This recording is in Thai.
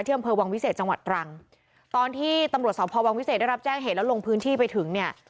อำเภอวังวิเศษจังหวัดตรังตอนที่ตำรวจสพวังวิเศษได้รับแจ้งเหตุแล้วลงพื้นที่ไปถึงเนี่ย